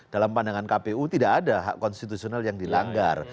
dalam pandangan kpu tidak ada hak konstitusional yang dilanggar